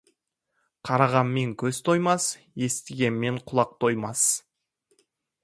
Қарағанмен көз тоймас, естігенмен құлақ тоймас.